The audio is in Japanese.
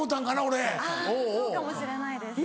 そうかもしれないです。